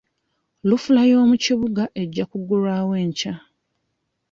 Lufula y'omu kibuga ejja kuggulwawo enkya.